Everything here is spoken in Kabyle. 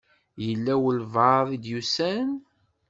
Yella walebɛaḍ i d-yusan?